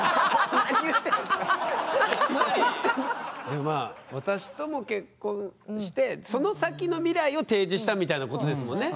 でもまあ私とも結婚してその先の未来を提示したみたいなことですもんね。